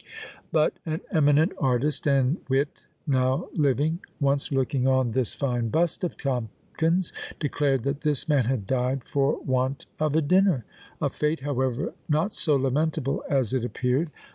But an eminent artist and wit now living, once looking on this fine bust of Tomkins, declared, that "this man had died for want of a dinner!" a fate, however, not so lamentable as it appeared!